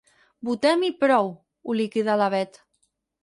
Votem i prou —ho liquidà la Bet—.